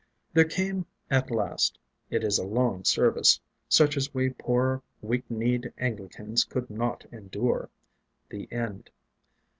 There came at last it is a long service, such as we poor weak kneed Anglicans could not endure the end.